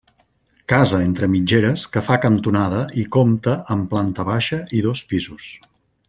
Casa entre mitgeres que fa cantonada i compta amb planta baixa i dos pisos.